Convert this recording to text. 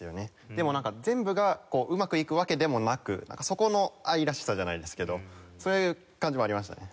でも全部がうまくいくわけでもなくそこの愛らしさじゃないですけどそういう感じもありましたね。